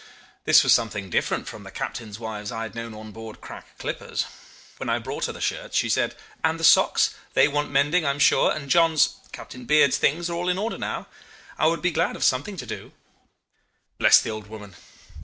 This was something different from the captains' wives I had known on board crack clippers. When I brought her the shirts, she said: 'And the socks? They want mending, I am sure, and John's Captain Beard's things are all in order now. I would be glad of something to do.' Bless the old woman!